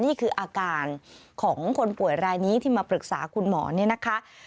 นี่คืออาการของคนป่วยรายนี้ที่มาปรึกษาคุณหมอนี่นะคะ